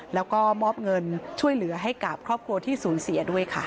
แล้วก็มอบเงินช่วยเหลือให้กับครอบครัวที่สูญเสียด้วยค่ะ